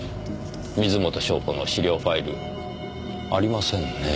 水元湘子の資料ファイルありませんねぇ。